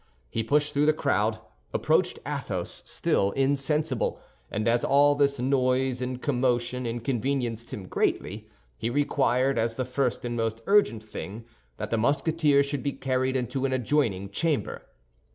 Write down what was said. He pushed through the crowd, approached Athos, still insensible, and as all this noise and commotion inconvenienced him greatly, he required, as the first and most urgent thing, that the Musketeer should be carried into an adjoining chamber.